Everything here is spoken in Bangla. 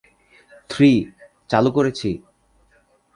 থ্রি, চালু করেছি।